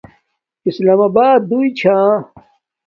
اسلام آبات دوچھا